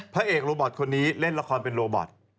พระเอกโรบอตคนนี้เล่นละครเป็นโรบอต